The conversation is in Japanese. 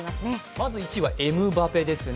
まず１位はエムバペですね。